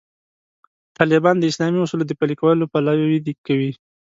طالبان د اسلامي اصولو د پلي کولو پلوي کوي.